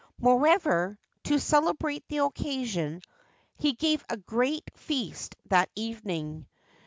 Moreover, to celebrate the occasion, he gave a great feast that evening.